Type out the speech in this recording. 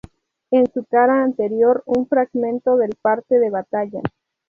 En su cara anterior un fragmento del parte de batalla.